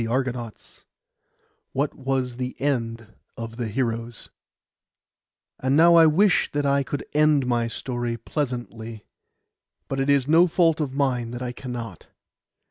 PART VI WHAT WAS THE END OF THE HEROES And now I wish that I could end my story pleasantly; but it is no fault of mine that I cannot.